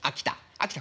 秋田